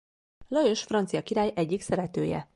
Lajos francia király egyik szeretője.